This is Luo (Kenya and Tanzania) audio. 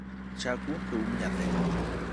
Chak wuok eum nyathi